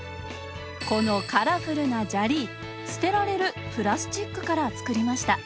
このカラフルな砂利捨てられるプラスチックから作りました。